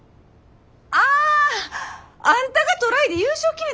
あああんたがトライで優勝決めた日か！